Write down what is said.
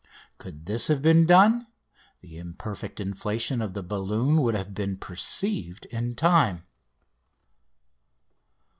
Could this have been done the imperfect inflation of the balloon would have been perceived in time.